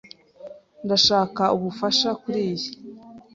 Ndashaka ubufasha kuriyi.